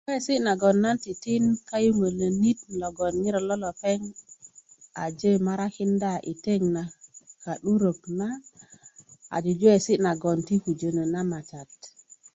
kukuwesi nagon nan titin kayuŋölönit logon ŋiro lo lepeŋ aje marakinda i teŋ na ka'durök na a jujuwesi nagon ti kujönö na matat